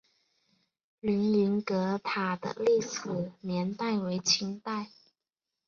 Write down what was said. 凌云阁塔的历史年代为清代。